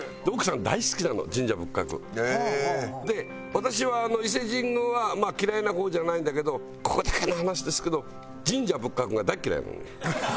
私は伊勢神宮は嫌いな方じゃないんだけどここだけの話ですけど神社仏閣が大嫌いなの。